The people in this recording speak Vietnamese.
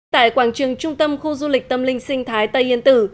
tại quảng trường trung tâm khu du lịch tâm linh sinh thái tây yên tử